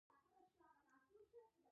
فرید موټر ته ور پورته شو او چالان یې کړ.